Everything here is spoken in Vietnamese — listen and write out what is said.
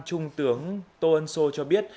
trung tướng tô ân sô cho biết